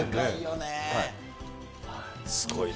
すごいな。